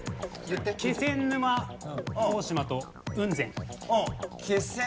気仙沼大島と雲仙。